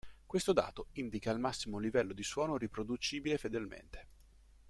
Questo dato indica il massimo livello di suono riproducibile fedelmente.